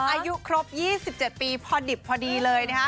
อายุครบ๒๗ปีพอดิบพอดีเลยนะคะ